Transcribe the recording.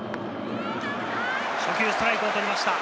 初球ストライクを取りました。